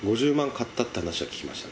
勝ったって話は聞きました。